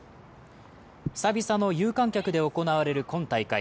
久々の有観客で行われる今大会。